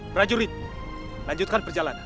brajurit lanjutkan perjalanan